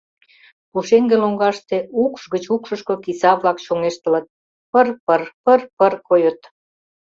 Пушеҥге лоҥгаште укш гыч укшышко киса-влак чоҥештылыт: пыр-пыр, пыр-пыр койыт.